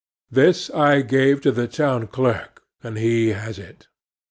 This I gave to the town clerk; and he has it.